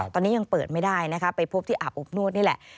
ตอนนี้ยังเปิดไม่ได้นะคะไปพบที่อาบอบนวดนี่แหละ